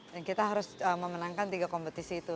dan kita harus memenangkan tiga kompetisi itu